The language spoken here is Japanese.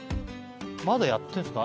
まだやってんすか？